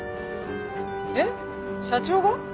えっ？社長が？